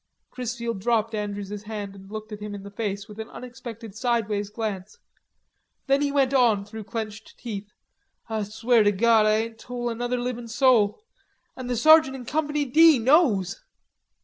Chrisfield dropped Andrews's hand and looked at him in the face with an unexpected sideways glance. Then he went on through clenched teeth: "Ah swear to Gawd Ah ain't tole another livin' soul.... An' the sergeant in Company D knows."